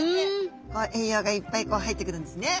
栄養がいっぱい入ってくるんですね。